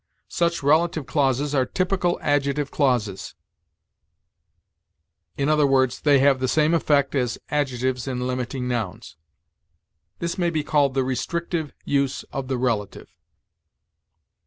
Such relative clauses are typical adjective clauses i. e., they have the same effect as adjectives in limiting nouns. This may be called the RESTRICTIVE use of the relative.